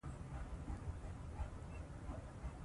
ازادي راډیو د روغتیا په اړه د ځوانانو نظریات وړاندې کړي.